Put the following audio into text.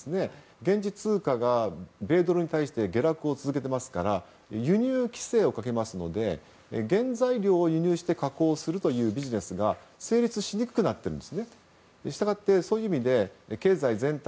現地通貨が下落を続けていますから輸入規制をかけますので原材料を輸入して加工するビジネスが成立しにくくなっているんです。